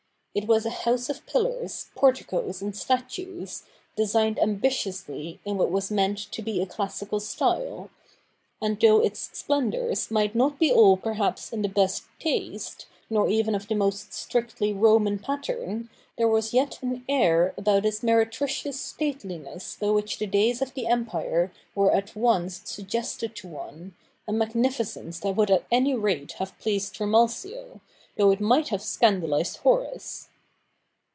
It was a house of pillars, porticoes, and statues, designed ambitiously in what was meant to be a classical style ; and though its splendours might not be all perhaps in the best taste, nor even of the most strictly Roman pattern, there was yet an air about its meretricious stateliness by which the days of the Empire were at once suggested to one, a magnificence that would at any rate have pleased Trimalcio, though it might have scandalised Horace.